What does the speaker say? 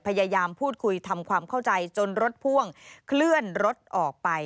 พยายามพูดคุยทำความเข้าใจจนรถพ่วงเคลื่อนรถออกไป